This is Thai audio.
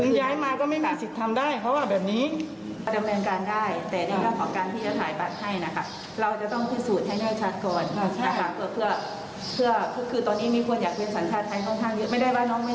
ไม่ได้ว่าน้องไม่ใช่คนศาลชาทไทยนะคะ